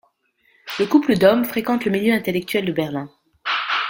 Le couple Dohm fréquente le milieu intellectuel de Berlin.